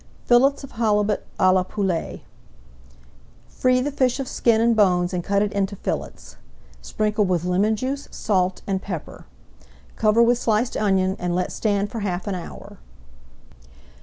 FILLETS OF HALIBUT À LA POULETTE Free the fish of skin and bones and cut it into fillets. Sprinkle with lemon juice, salt, and pepper. Cover with sliced onion and let stand for half an hour.